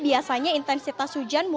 biasanya intensitas hujan akan turun